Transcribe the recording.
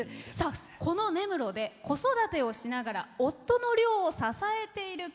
この根室で子育てをしながら夫の漁を支えている方。